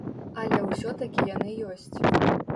Але ўсё-такі яны ёсць.